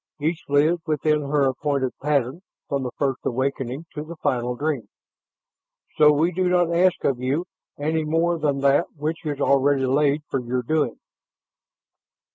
Each lives within her appointed pattern from the First Awakening to the Final Dream. So we do not ask of you any more than that which is already laid for your doing."